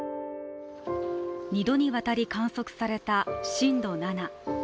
２度にわたり観測された震度７。